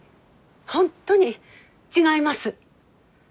本当に違います。